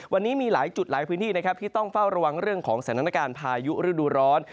วันนี้มีหลายจุดหลายพื้นที่ที่ต้องเฝ้าระวังของการสันนการภายุฤดูรส